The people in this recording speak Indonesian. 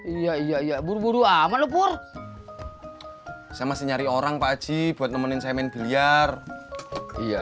iya iya iya buru buru amalupur saya masih nyari orang pak aji buat nemenin saya main biliar iya